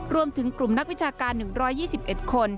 รวมถึงกลุ่มนักวิชาการ๑๒๑คน